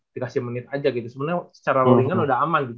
dikasih menit aja gitu sebenernya secara rollingan udah aman gitu ya